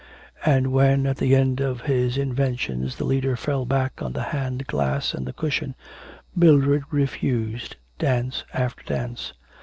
And when at the end of his inventions the leader fell back on the hand glass and the cushion, Mildred refused dance after dance.